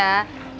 makasih mbak iqbal